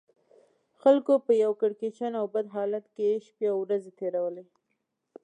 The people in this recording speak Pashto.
خلکو په یو کړکېچن او بد حالت کې شپې او ورځې تېرولې.